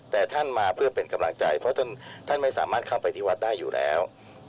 แต่ท่านมาเพื่อเป็นกำลังใจเพราะท่านไม่สามารถเข้าไปที่วัดได้อยู่แล้ว